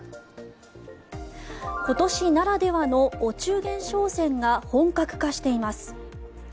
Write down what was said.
今年ならではのお中元商戦が本格化しています。